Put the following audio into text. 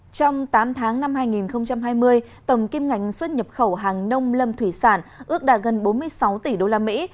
trong tám tháng năm hai nghìn hai mươi tổng kim ngạch xuất nhập khẩu hàng nông lâm thủy sản ước đạt gần bốn mươi sáu tỷ đô la mỹ